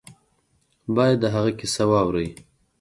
باید د هغه کیسه واوري.